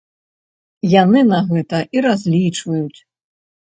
Яны на гэта і разлічваюць.